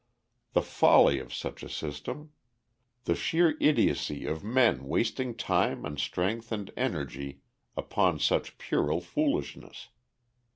The folly of such a system! The sheer idiocy of men wasting time and strength and energy upon such puerile foolishness.